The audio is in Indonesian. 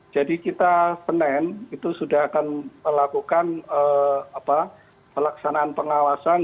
jadi kita penen itu sudah akan melakukan pelaksanaan pengawasan